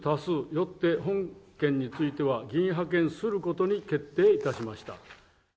よって本件については、議員派遣することに決定いたしました。